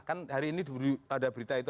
kan hari ini ada berita itu